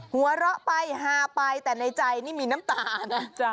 หัวเราะไปฮาไปแต่ในใจนี่มีน้ำตานะ